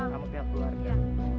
sama pihak keluarga